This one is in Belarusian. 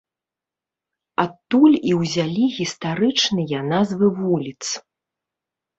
Адтуль і ўзялі гістарычныя назвы вуліц.